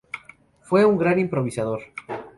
Fue un gran improvisador.